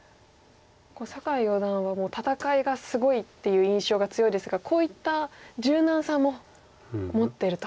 酒井四段は戦いがすごいっていう印象が強いですがこういった柔軟さも持ってると。